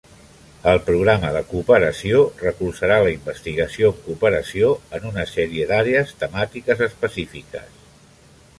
El programa de Cooperació recolzarà la investigació en cooperació en una sèrie d'àrees temàtiques específiques.